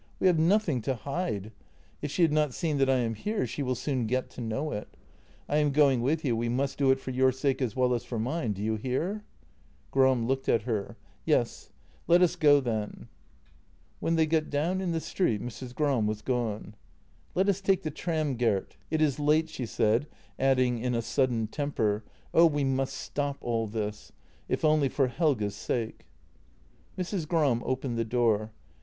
we have nothing to hide. If she had not seen that I am here she will soon get to know it. I am going with you ; we must do it for your sake as well as for mine — do you hear? " Gram looked at her: " Yes, let us go, then." When they got down in the street Mrs. Gram was gone. "Let us take the tram, Gert; it is late," she said, adding in a sudden temper :" Oh, we must stop all this — if only for Helge's sake." Mrs. Gram opened the door.